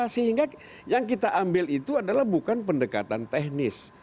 sehingga yang kita ambil itu adalah bukan pendekatan teknis